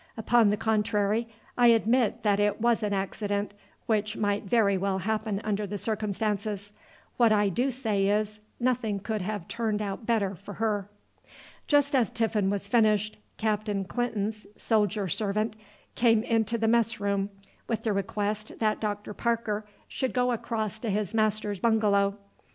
Upon the contrary, I admit that it was an accident which might very well happen under the circumstances. What I do say is, nothing could have turned out better for her." Just as tiffin was finished, Captain Clinton's soldier servant came into the mess room with the request that Dr. Parker should go across to his master's bungalow.